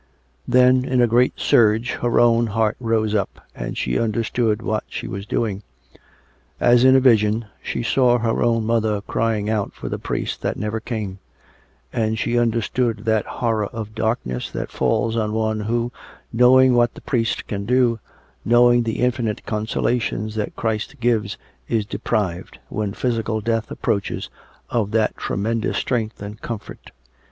Then, in a great surge, her own heart rose up, and she understood what she was doing. As in a vision, she saw her own mother crying out for the priest that never came; and she understood that horror of darkness that falls on one who, knowing what the priest can do, knowing the infinite consolations which Christ gives, is deprived, when physical death approaches, of that tremendous strength and comfort.